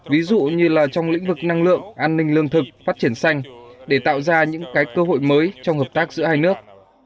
ví dụ như là trong lĩnh vực năng lượng an ninh lương thực phát triển xanh để tạo ra những cái cơ hội mới trong hợp tác giữa hai nước